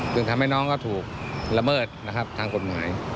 ซึ่งทำให้น้องก็ถูกละเมิดทางกฎหมาย